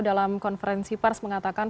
dalam konferensi pers mengatakan